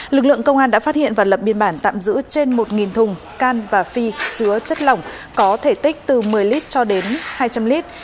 lực lượng công an đã phát hiện và lập biên bản tạm giữ trên một thùng can và phi chứa chất lỏng có thể tích từ một mươi lít cho đến hai trăm linh lít